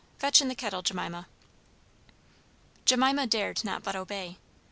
Fetch in the kettle, Jemima." Jemima dared not but obey.